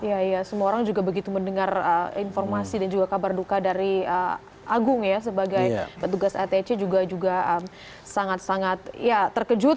iya iya semua orang juga begitu mendengar informasi dan juga kabar duka dari agung ya sebagai petugas atc juga sangat sangat ya terkejut